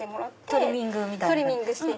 トリミングみたいな感じ。